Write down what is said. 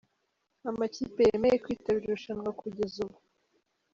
Amakipe yemeye kwitabira irushanwa kugeza ubu.